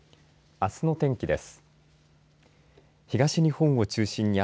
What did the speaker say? あすの天気です。